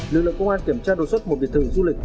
lực lượng công an kiểm tra đột xuất một việt thử du lịch